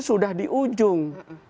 sudah di ujung